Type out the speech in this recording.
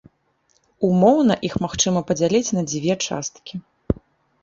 Умоўна іх магчыма падзяліць на дзве часткі.